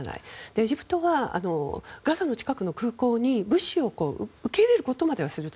エジプトはガザの近くの空港に物資を受け入れることまではすると。